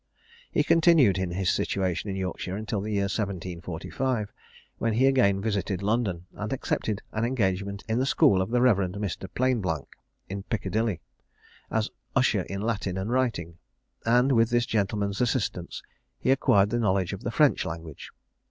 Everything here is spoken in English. He continued in his situation in Yorkshire until the year 1745, when he again visited London, and accepted an engagement in the school of the Rev. Mr. Plainblanc, in Piccadilly, as usher in Latin and writing; and, with this gentleman's assistance, he acquired the knowledge of the French language.